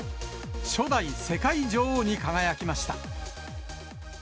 初代世界女王に輝きました。